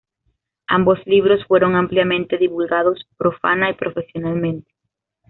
Ambos libros fueron ampliamente divulgados profana y profesionalmente.